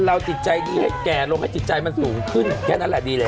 เพลงมันธรรมดาสำหรับพี่แล้วซึ่งต้องเอาแบบนี้เลยค่ะ